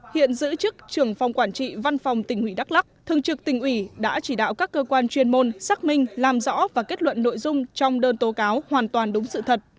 hiện giữ chức trưởng phòng quản trị văn phòng tỉnh ủy đắk lắc thường trực tỉnh ủy đã chỉ đạo các cơ quan chuyên môn xác minh làm rõ và kết luận nội dung trong đơn tố cáo hoàn toàn đúng sự thật